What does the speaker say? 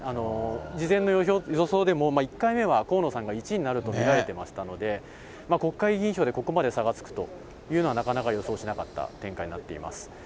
事前の予想でも、１回目は河野さんが１位になると見られてましたので、国会議員票でここまで差がつくというのは、なかなか予想しなかった展開になっています。